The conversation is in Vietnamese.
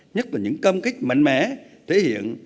nhất là những cam kích mạnh mẽ thể hiện